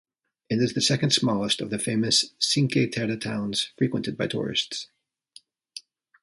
It is the second smallest of the famous Cinque Terre towns frequented by tourists.